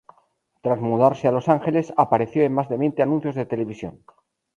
Tras mudarse a Los Ángeles, apareció en más de veinte anuncios de televisión.